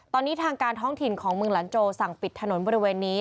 ตอนนี้ทางการท้องถิ่นของเมืองลันโจสั่งปิดถนนบริเวณนี้